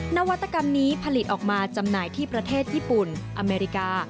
นวัตกรรมนี้ผลิตออกมาจำหน่ายที่ประเทศญี่ปุ่นอเมริกา